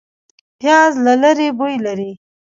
پیاز له لرې بوی لري